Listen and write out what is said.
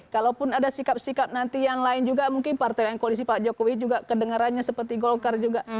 kalaupun ada sikap sikap nanti yang lain juga mungkin partai yang koalisi pak jokowi juga kedengarannya seperti golkar juga